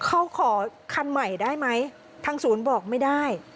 เขาขอคันใหม่ได้ไหมทางศูนย์บอกไม่ได้